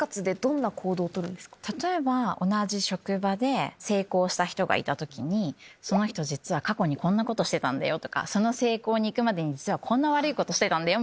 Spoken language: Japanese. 例えば同じ職場で成功した人がいた時にその人実は過去にこんなことしてたんだよ！とか成功にいくまでにこんな悪いことしてたんだよ！